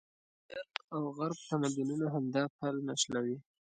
د شرق او غرب تمدونونه همدا پل نښلوي.